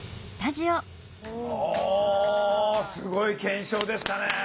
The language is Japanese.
おすごい検証でしたね